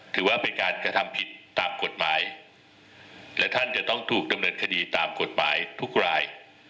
ถือว่าเป็นการกระทำผิดตามกฎหมายและท่านจะต้องถูกดำเนินคดีตามกฎหมายทุกราย